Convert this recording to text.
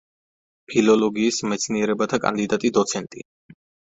ფილოლოგიის მეცნიერებათა კანდიდატი, დოცენტი.